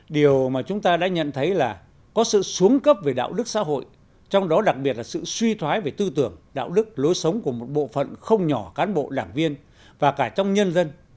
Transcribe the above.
điều mà chúng ta đã nhận thấy là có sự xuống cấp về đạo đức xã hội trong đó đặc biệt là sự suy thoái về tư tưởng đạo đức lối sống của một bộ phận không nhỏ cán bộ đảng viên và cả trong nhân dân